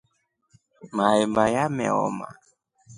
Maemba yameoma.